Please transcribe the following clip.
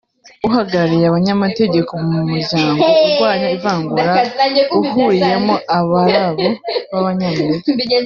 uhagarariye abanyamategeko mu muryango urwanya ivangura uhuriyemo Abarabu b’Abanyamerika